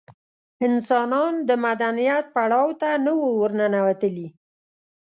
انسانان د مدنیت پړاو ته نه وو ورننوتلي.